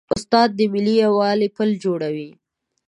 استاد د ملي یووالي پل جوړوي.